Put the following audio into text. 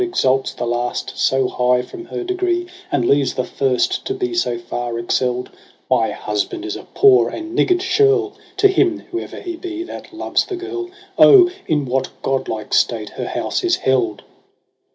Exalts the last so high from her degree. And leaves the first to be so far excel'd. My husband is a poor and niggard churl To him, whoe'er he be, that loves the girl. Oh ! in what godlike state her house is held